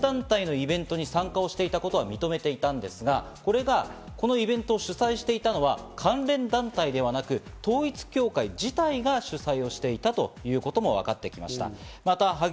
新たに分かった事実なんですが、２０１４年の教団関連団体のイベントに参加していたことは認めていたんですが、このイベントを主催していたのは関連団体ではなく、統一教会自体が主催していたということも分かってきました。